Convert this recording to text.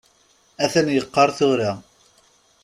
Atan yeqqaṛ tura.